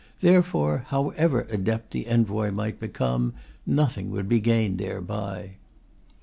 Therefore, however adept the Envoy might become, nothing would be gained thereby.